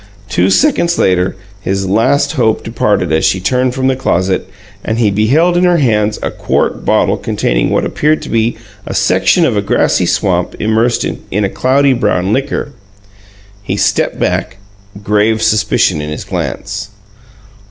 Two seconds later his last hope departed as she turned from the closet and he beheld in her hands a quart bottle containing what appeared to be a section of grassy swamp immersed in a cloudy brown liquor. He stepped back, grave suspicion in his glance.